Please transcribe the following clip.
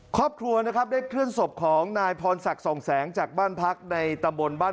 ครอบครัวนะครับได้เคลื่อนศพของนายพรศักดิ์สองแสงจากบ้านพักในตำบลบ้าน